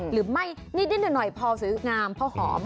หรือไม่นิดหน่อยพอสวยงามพอหอม